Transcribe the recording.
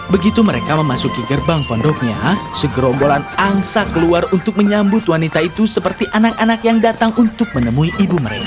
begitu mereka memasuki gerbang pondoknya segerombolan angsa keluar untuk menyambut wanita itu seperti anak anak yang datang untuk menemui ibu mereka